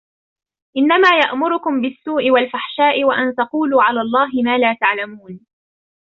إِنَّمَا يَأْمُرُكُمْ بِالسُّوءِ وَالْفَحْشَاءِ وَأَنْ تَقُولُوا عَلَى اللَّهِ مَا لَا تَعْلَمُونَ